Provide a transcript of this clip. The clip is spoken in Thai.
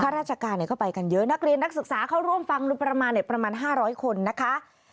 ราชการก็ไปกันเยอะนักเรียนนักศึกษาเข้าร่วมฟังประมาณประมาณ๕๐๐คนนะคะ